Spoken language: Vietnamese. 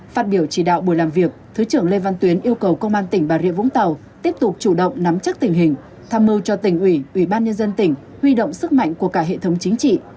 phát biểu chỉ đạo buổi làm việc thứ trưởng lê văn tuyến yêu cầu công an tỉnh bà rịa vũng tàu tiếp tục chủ động nắm chắc tình hình tham mưu cho tỉnh ủy ủy ban nhân dân tỉnh huy động sức mạnh của cả hệ thống chính trị